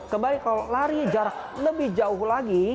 kembali kalau lari jarak lebih jauh lagi